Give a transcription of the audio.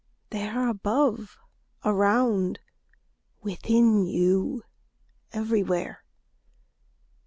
They are above, around, within you, everywhere.